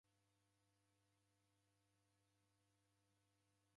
Kasikira firimbi kuche.